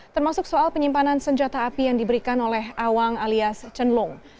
termasuk soal penyimpanan senjata api yang diberikan oleh awang alias cenlong